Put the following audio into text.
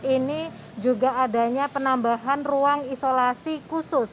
ini juga adanya penambahan ruang isolasi khusus